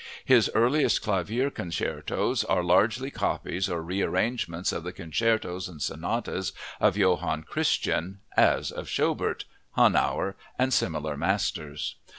His earliest clavier concertos are largely copies or rearrangements of the concertos and sonatas of Johann Christian, as of Schobert, Honnauer, and similar masters.